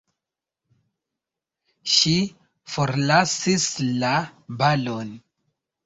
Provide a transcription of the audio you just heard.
Ŝi forlasis la balon!